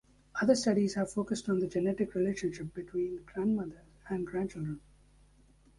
Other studies have focused on the genetic relationship between grandmothers and grandchildren.